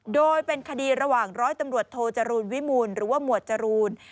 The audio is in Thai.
โดยเป็นคดีระหว่างร้อยตำรวจโทจรูลวิมูลหรือว่าหมวดจรูน